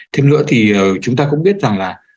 thêm nữa thì chúng ta cũng biết rằng là